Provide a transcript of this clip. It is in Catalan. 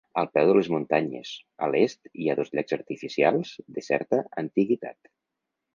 Al peu de les muntanyes, a l'est hi ha dos llacs artificials de certa antiguitat.